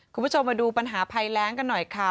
คุณผู้ชมมาดูปัญหาภัยแรงกันหน่อยค่ะ